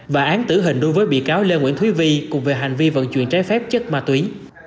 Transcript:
và án tử hình đối với bị cáo lê nguyễn thúy vi cùng về hành vi vận chuyển trái phép chất ma túy